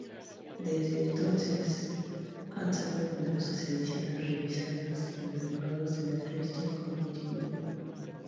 Desde entonces han salido numerosas ediciones revisadas y mejoradas de la Christian Community Bible.